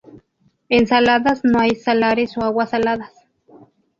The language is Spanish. En Saladas no hay salares o aguas saladas.